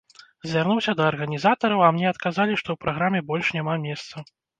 Звярнуўся да арганізатараў, а мне адказалі, што ў праграме больш няма месца.